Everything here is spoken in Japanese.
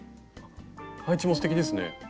配置もすてきですね。